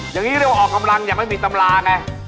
อย่างนี้เรียกว่าออกกำลังอย่างไม่มีตำราไง